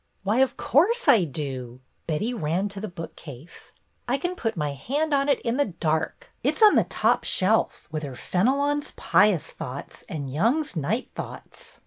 "Why, of course I do!" Betty ran to the bookcase. "I can put my hand on it in the dark. It 's on the top shelf, with her BETTY'S GOLDEN MINUTE 67 Fenelon's ' Pious Thoughts/ and Young's ^ Night Thoughts.